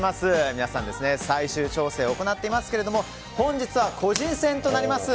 皆さん、最終調整を行っていますけども本日は個人戦となります。